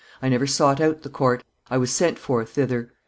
I never sought out the court; I was sent for thither.